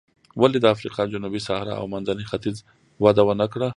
ولې د افریقا جنوبي صحرا او منځني ختیځ وده ونه کړه.